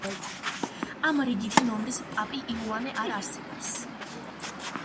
ამ რიგითი ნომრის პაპი იოანე არ არსებობს.